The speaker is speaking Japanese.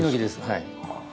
はい。